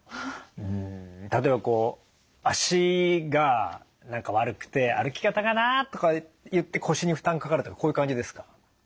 ん例えば足が悪くて歩き方がなとかいって腰に負担かかるとかこういう感じですか？